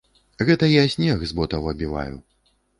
Гэта я снег з ботаў абіваю.